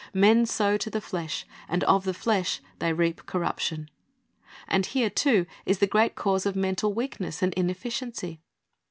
Men sow to the flesh, and of the flesh they reap corruption. And here, too, is the great cause of mental weakness and inefficiency.